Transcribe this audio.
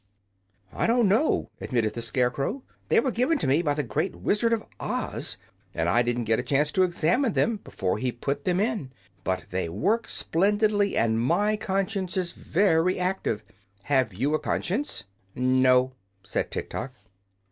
"I don't know," admitted the Scarecrow. "They were given to me by the great Wizard of Oz, and I didn't get a chance to examine them before he put them in. But they work splendidly and my conscience is very active. Have you a conscience?" "No," said Tiktok.